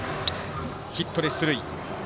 ヒットで出塁。